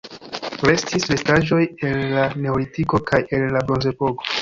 Restis restaĵoj el la neolitiko kaj el la bronzepoko.